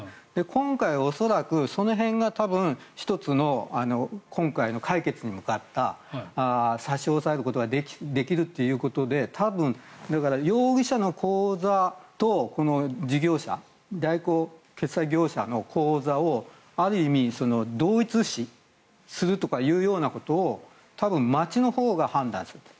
今回恐らく、その辺が多分１つの今回の解決に向かった差し押さえることができるということで多分、容疑者の口座とこの事業者決済代行業者の口座をある意味同一視するとかいうようなことを多分、町のほうが判断すると。